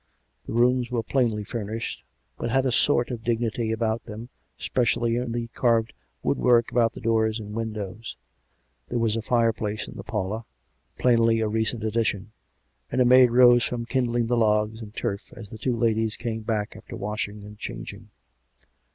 The rooms were plainly furnished, but had a sort of dignity about them, especially in the carved woodwork about the doors and windows. There was a fireplace in the parlour, plainly a recent addition; and a maid rose from kindling the logs and turf, as the two ladies came back after wash ing and changing.